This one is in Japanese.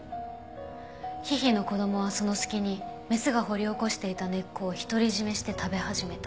ヒヒの子供はその隙にメスが掘り起こしていた根っこを独り占めして食べ始めた。